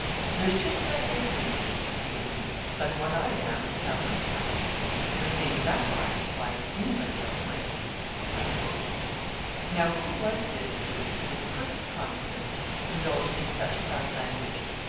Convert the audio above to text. There's just that difference 'twixt thee and me. But what I am thou couldst not be: the thing Thou art, why, anybody else might be." Now who was this who, with perfect confidence, indulged in such proud language?